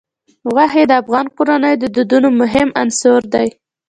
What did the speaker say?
غوښې د افغان کورنیو د دودونو مهم عنصر دی.